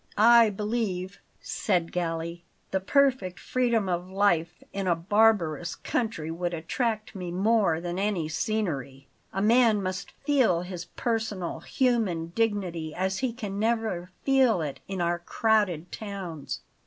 "I believe," said Galli, "the perfect freedom of life in a barbarous country would attract me more than any scenery. A man must feel his personal, human dignity as he can never feel it in our crowded towns."